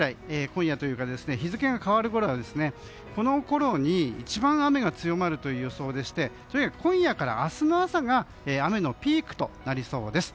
今夜というか日付が変わるぐらいこのころに一番雨が強まるという予想でしてとにかく今夜から明日の朝が雨のピークとなりそうです。